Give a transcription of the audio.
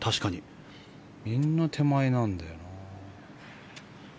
みんな手前なんだよな。